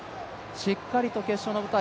しっかりと決勝の舞台